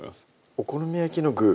お好み焼きの具？